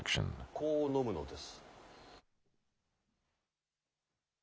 こう飲むのです。